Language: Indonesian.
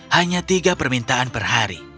hanya tiga permintaan per hari